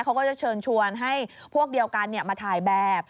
เขาก็จะเชิญชวนให้พวกเดียวกันมาถ่ายแบบ